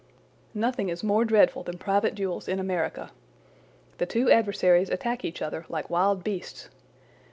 Nothing is more dreadful than private duels in America. The two adversaries attack each other like wild beasts.